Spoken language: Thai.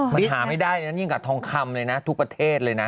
มันหาไม่ได้นะยิ่งกับทองคำเลยนะทุกประเทศเลยนะ